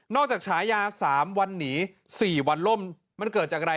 นอกจากฉายา๓วันนี้๔วันล่มมันเกิดจากอะไร